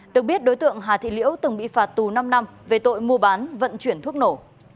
được biết đối tượng hà thị liễu từng bị phạt tù năm năm về tội mua bán vận chuyển thuốc nổ